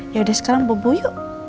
yaudah sekarang bobo yuk